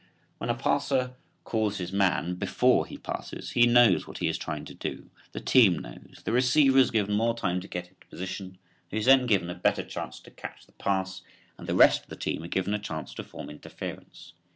When the passer calls his man before he passes he knows what he is trying to do, the team knows, the receiver is given more time to get into position, he is then given a better chance to catch the pass and the rest of the team are given a chance to form interference.